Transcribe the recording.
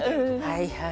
はいはい。